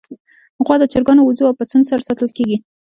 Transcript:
غوا د چرګانو، وزو، او پسونو سره ساتل کېږي.